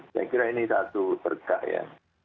saya kira ini satu berkah ya